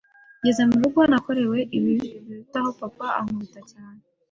Ngeze mu rugo nakorewe ibibi birutaho papa akankubita cyane